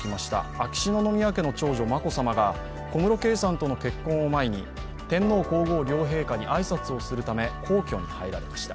秋篠宮家の長女・眞子さまが小室圭さんとの結婚を前に天皇・皇后両陛下に挨拶をするため皇居に入られました。